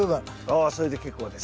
あそれで結構です。